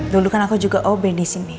dulu kan aku juga obe di sini